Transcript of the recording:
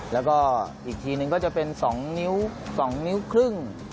แล้วก็อีกทีนึงก็จะเป็น๒นิ้ว๒นิ้วครึ่ง